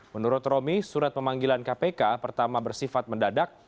menurut romi surat pemanggilan kpk pertama bersifat mendadak